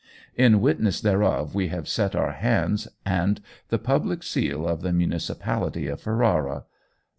In witness thereof we have set our hands and the public seal of the municipality of Ferrara.